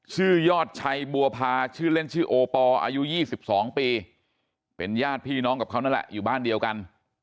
ยอดชัยบัวพาชื่อเล่นชื่อโอปอลอายุ๒๒ปีเป็นญาติพี่น้องกับเขานั่นแหละอยู่บ้านเดียวกัน